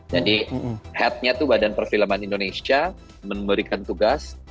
jadi headnya itu badan perfilman indonesia memberikan tugas